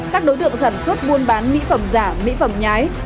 các đối tượng sản xuất buôn bán mỹ phẩm giả mỹ phẩm nhái